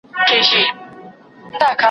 بيزو وان كړې په نكاح څلور بيبياني